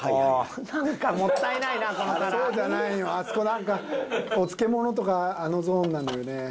あそこなんかお漬物とかあのゾーンなのよね。